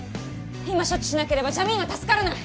今処置しなければジャミーンは助からない！